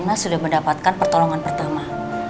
karena saya sudah mendapatkan pertolongan pertama